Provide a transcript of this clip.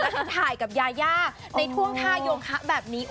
แล้วก็ถ่ายกับยายาในท่วงท่าโยงคะแบบนี้